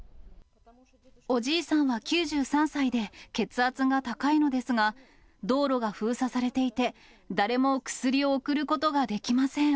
おじいさんは９３歳で、血圧が高いのですが、道路が封鎖されていて、誰も薬を送ることができません。